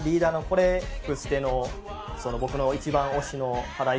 これ「ヒプステ」の僕の一番推しの波羅夷